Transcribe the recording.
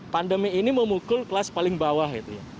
pandemi ini memukul kelas paling bawah gitu ya